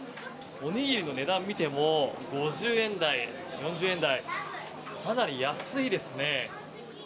おにぎりの値段見ても５０円台、４０円台かなり安いですね。